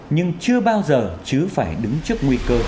nhưng chưa bao giờ chứ phải đứng trước nguy cơ